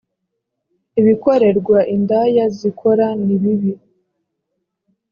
ibikorerwa indaya zikora ni bibi